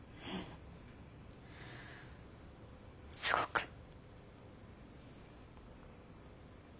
すごく。